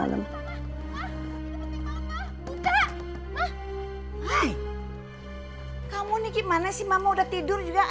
sampai jumpa di video selanjutnya